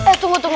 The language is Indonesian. eh tunggu tunggu